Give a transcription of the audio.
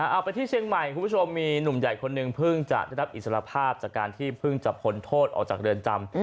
เอาไปที่เชียงใหม่คุณผู้ชมมีหนุ่มใหญ่คนหนึ่งเพิ่งจะได้รับอิสระภาพจากการที่เพิ่งจะพ้นโทษออกจากเรือนจำ